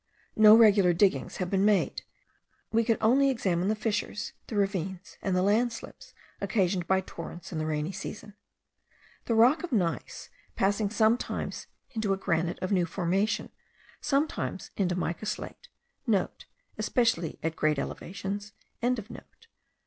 No regular diggings having been made, we could only examine the fissures, the ravines, and the land slips occasioned by torrents in the rainy season. The rock of gneiss, passing sometimes into a granite of new formation, sometimes into mica slate,* (* Especially at great elevations.)